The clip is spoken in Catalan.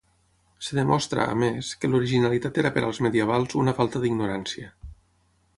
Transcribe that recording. Es demostra, a més, que l'originalitat era per als medievals una falta d'ignorància.